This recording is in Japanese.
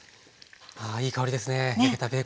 いい香りですね焼けたベーコン。